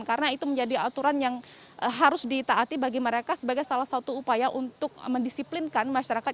karena itu menjadi aturan yang harus ditaati bagi mereka sebagai salah satu upaya untuk mendisiplinkan masyarakat